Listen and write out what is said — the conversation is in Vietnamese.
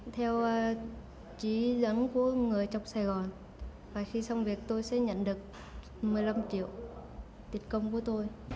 theo chỉ dẫn của người chọc sài gòn và khi xong việc tôi sẽ nhận được một mươi năm triệu tiền công của tôi